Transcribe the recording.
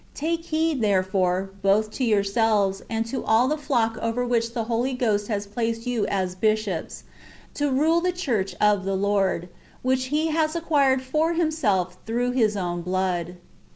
Take heed, therefore, both to yourselves, and to all the flock over which the Holy Ghost has placed you as bishops, to rule the church of the Lord, *^ which He has acquired for Himself through His own blood."